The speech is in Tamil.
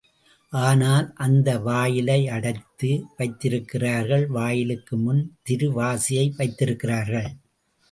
ஆனால் அந்த வாயிலை அடைத்து வைத்திருக்கிறார்கள், வாயிலுக்கு முன் திரு வாசியை வைத்திருக்கிறார்கள்.